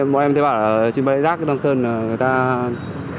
bọn em thấy bà ở trên bãi rác nam sơn